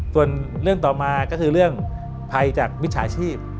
ส่วนเรื่องต่อมาก็คือเรื่องภัยจากมิจฉาชีพ